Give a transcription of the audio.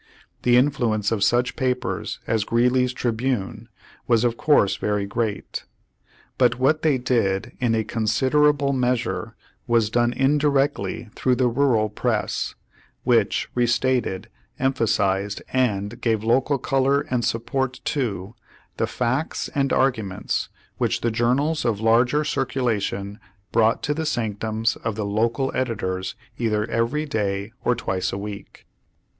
The influence of such papers as Greeley's Tribune was of course very great. But what they did in a considerable measure was done indirectly through the rural press, which restated, emphasized, and gave local color and support to the facts and argu ments which the journals of larger circulation brought to the sanctums of the local editors either every day or twice a week.